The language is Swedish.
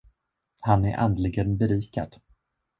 Han är andligen berikad.